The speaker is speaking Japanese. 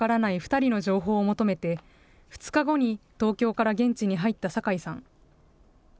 ２人の情報を求めて、２日後に東京から現地に入った酒井さん。